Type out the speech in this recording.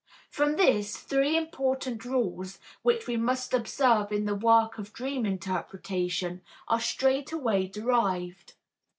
From this, three important rules, which we must observe in the work of dream interpretation, are straightway derived: 1.